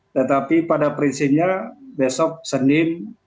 tetapi pada prinsipnya besok senin